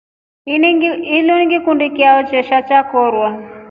Ini ngikundi chao kishaa chakorwa.